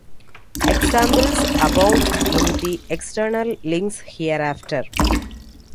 Examples abound in the "External Links" hereafter.